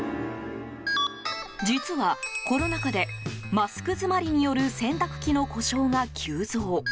実は、コロナ禍でマスク詰まりによる洗濯機の故障が急増。